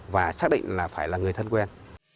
và xác định là phải là người thân quen